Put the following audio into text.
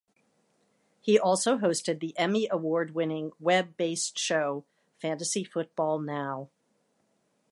He also hosted the Emmy-Award Winning web-based show "Fantasy Football Now".